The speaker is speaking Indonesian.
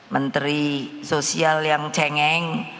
menteri sosial yang cengeng